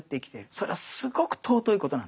それはすごく尊いことなんだって。